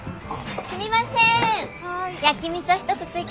すみません。